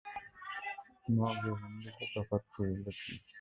মগে হিন্দুতে তফাত রহিল কী!